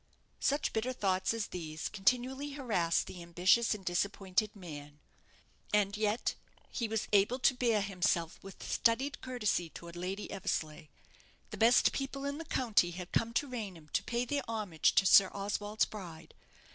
Such bitter thoughts as these continually harassed the ambitious and disappointed man. And yet he was able to bear himself with studied courtesy towards Lady Eversleigh. The best people in the county had come to Raynham to pay their homage to Sir Oswald's bride.